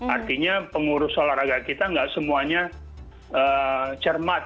artinya pengurus olahraga kita nggak semuanya cermat